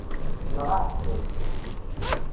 Neɣ aɛessas.